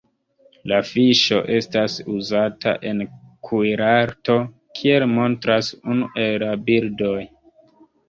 La fiŝo estas uzata en kuirarto, kiel montras unu el la bildoj.